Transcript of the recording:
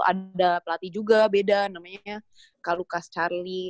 ada pelatih juga beda namanya kak lukas charlie